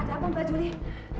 ada apa mbak julie